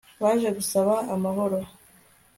Baje gusaba amahoro